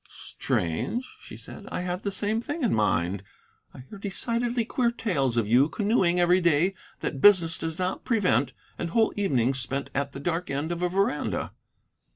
"Strange," she said, "I had the same thing in mind. I hear decidedly queer tales of you; canoeing every day that business does not prevent, and whole evenings spent at the dark end of a veranda."